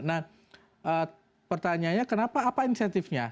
nah pertanyaannya kenapa apa insentifnya